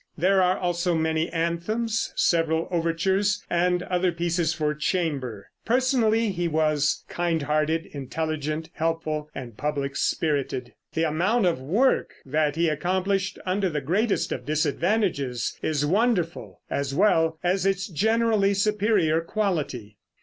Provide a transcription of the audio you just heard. There are also many anthems, several overtures and other pieces for chamber. Personally he was kind hearted, intelligent, helpful and public spirited. The amount of work that he accomplished under the greatest of disadvantages is wonderful, as well as its generally superior quality.